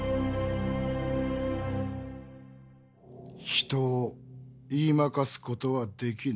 人を言い負かすことはできぬ。